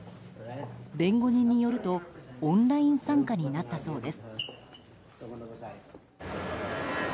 弁護人によるとオンライン参加になったそうです。